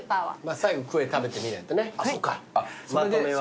最後クエ食べてみないとねまとめは。